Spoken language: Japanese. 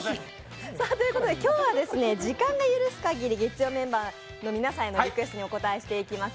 今日は時間が許すかぎり月曜メンバー皆さんへのリクエストにお応えしていきます。